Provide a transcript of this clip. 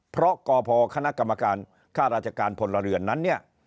เพราะกพคครพรนั้นเนี่ย